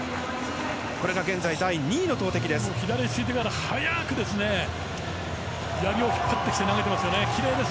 現在第２位の投てきです。